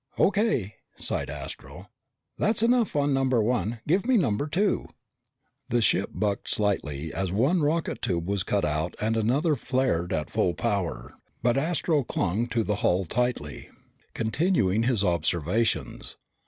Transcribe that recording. "O.K.," sighed Astro. "That's enough on number one. Give me number two." The ship bucked slightly as one rocket tube was cut out and another flared at full power, but Astro clung to the hull tightly, continuing his observations.